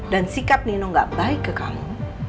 dan sikap nino gak baik ke kamu